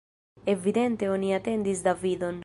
Evidente oni atendis Davidon.